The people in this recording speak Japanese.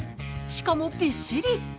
しかも、びっしり。